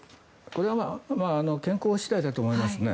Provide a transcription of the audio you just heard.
これは健康次第だと思いますね。